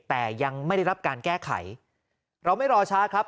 แต่ยังไม่ได้รับการแก้ไขเราไม่รอช้าครับ